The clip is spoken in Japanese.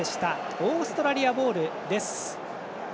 オーストラリアボール。